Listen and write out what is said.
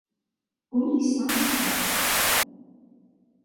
او لیسانس دارد.